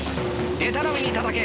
でたらめにたたけ。